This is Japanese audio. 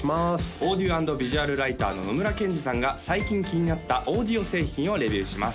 オーディオ＆ビジュアルライターの野村ケンジさんが最近気になったオーディオ製品をレビューします